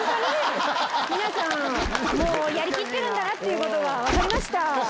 皆さんやりきってるんだなっていうことが分かりました。